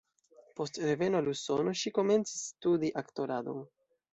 Post reveno al Usono, ŝi komencis studi aktoradon.